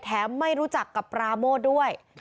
ไม่รู้จักกับปราโมทด้วย